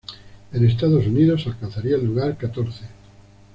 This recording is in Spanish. En Estados Unidos alcanzaría el lugar catorce.